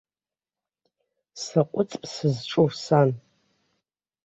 Саҟәыҵп сызҿу, сан?